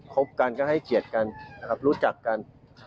ครบกันก็ให้เกียรติกันรู้จักกัน